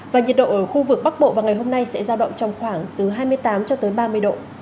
và nhiệt độ ở khu vực bắc bộ vào ngày hôm nay sẽ giao động trong khoảng từ hai mươi tám cho tới ba mươi độ